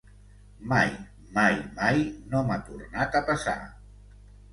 Mai mai mai no m'ha tornat a passar.